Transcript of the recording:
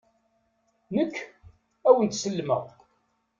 Nekk, ad wen-t-sellmeɣ.